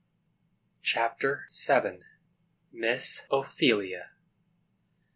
CHAPTER VII. MISS OPHELIA.